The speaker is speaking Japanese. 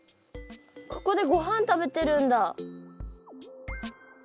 ここでごはん食べてるんだ。